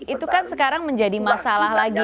itu kan sekarang menjadi masalah lagi